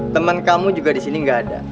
teman kamu juga di sini nggak ada